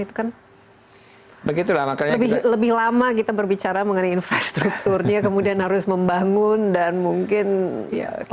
itu kan begitu lama lebih lama kita berbicara mengenai infrastrukturnya kemudian harus membangun dan mungkin ya kita